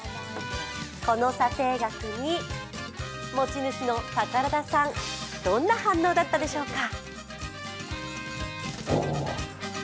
この査定額に持ち主の宝田さん、どんな反応だったでしょうか。